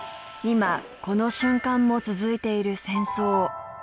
今この瞬間も続いている戦争。